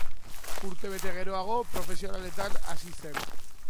Urtebete geroago, profesionaletan hasi zen.